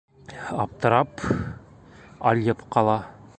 Аптырап, алйып ҡала!